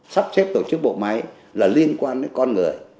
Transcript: sắp xếp tổ chức bộ máy là liên quan đến con người